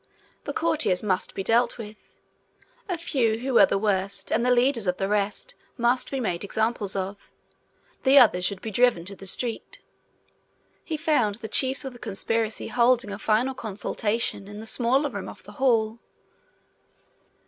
The courtiers must be dealt with. A few who were the worst, and the leaders of the rest, must be made examples of; the others should be driven to the street. He found the chiefs of the conspiracy holding a final consultation in the smaller room off the hall.